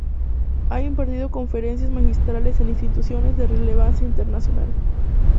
Ha impartido conferencias magistrales en instituciones de relevancia internacional.